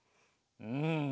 うん！